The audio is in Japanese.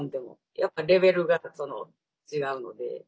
やっぱりレベルが違うので。